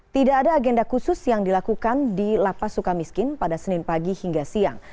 tidak ada agenda khusus yang dilakukan di lapas suka miskin pada senin pagi hingga siang